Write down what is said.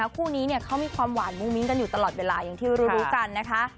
คู่นี้เขามีความหวานมิ้งกันอยู่ตะลอดเวลายังที่รู้รู้จัน